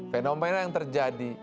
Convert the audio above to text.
fenomena yang terjadi